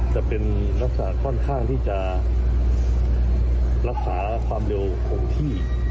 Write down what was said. จะเป็นลักษณะค่อนข้างที่จะรักษาความเร็วคงที่